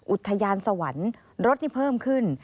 อุทยานสวรรค์รถนี่เพิ่มขึ้น